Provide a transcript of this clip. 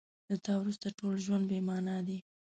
له تا وروسته ټول ژوند بې مانا دی.